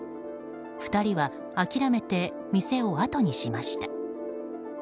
２人は諦めて店をあとにしました。